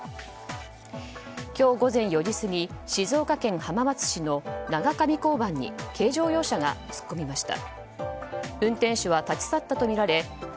今日午前４時過ぎ静岡県浜松市の長上交番に軽乗用車が突っ込みました。